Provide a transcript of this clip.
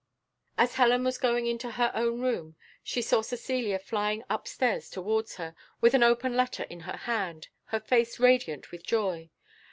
As Helen was going into her own room, she saw Cecilia flying up stairs towards her, with an open letter in her hand, her face radiant with joy.